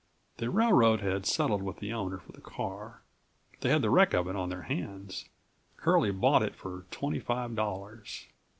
The railroad had settled with the owner for the car. They had the wreck of it on their hands. Curlie bought it for twenty five dollars.